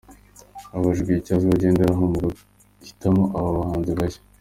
Abajijwe icyo azajya agenderaho mu guhitamo aba bahanzi bashya.